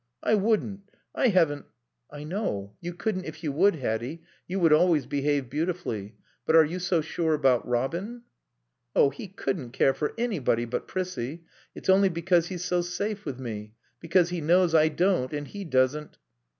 I wouldn't. I haven't " "I know. You couldn't if you would, Hatty. You would always behave beautifully. But are you so sure about Robin?" "Oh, he couldn't care for anybody but Prissie. It's only because he's so safe with me, because he knows I don't and he doesn't